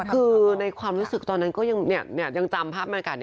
คือในความรู้สึกตอนนั้นก็ยังจำภาพบรรยากาศ